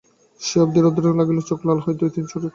সেই অবধি রৌদ্র লাগিলেই চোখ লাল হয়, দুই-তিন দিন শরীর খারাপ যায়।